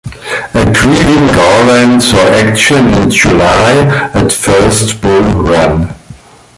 A grieving Garland saw action in July at First Bull Run.